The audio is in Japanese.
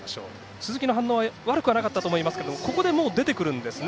鈴木の反応は悪くなかったと思いますがここでもう出てくるんですね。